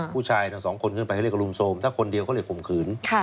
ผู้ชายทั้งสองคนขึ้นไปก็เรียกว่ารุมโทรมถ้าคนเดียวก็เรียกว่าขุมขืน